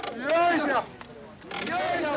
よいしょ！